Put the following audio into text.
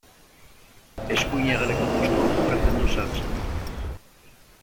Eskuin hegaleko postuan jokatzen du Sansen.